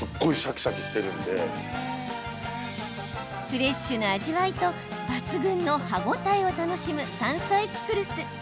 フレッシュな味わいと抜群の歯応えを楽しむ山菜ピクルス。